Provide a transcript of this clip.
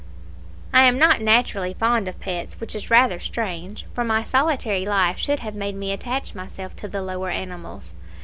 "I am not naturally fond of pets which is rather strange; for my solitary life should have made me attach myself to the lower animals.